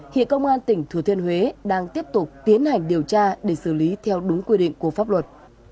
hiện công an tỉnh thừa thiên huế đang tiếp tục tiến hành điều tra để xử lý theo đúng quy định của pháp luật